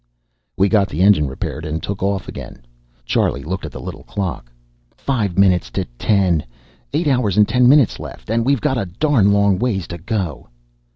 We got the engine repaired, took off again. Charlie looked at the little clock. "Five minutes to ten. Eight hours and ten minutes left, and we've got a darn long ways to go."